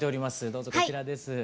どうぞこちらです。